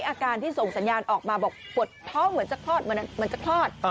อาการที่ส่งสัญญาณออกมาบอกว่าปวดท้องเหมือนคลอด